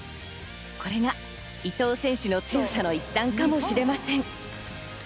これが伊藤選手の強さの一端かもしれません。